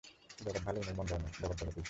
জগৎ ভালও নয়, মন্দও নয়, জগৎ জগৎই।